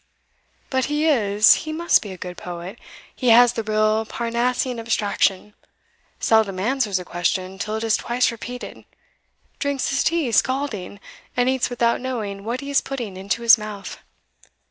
But he is he must be a good poet; he has the real Parnassian abstraction seldom answers a question till it is twice repeated drinks his tea scalding, and eats without knowing what he is putting into his mouth.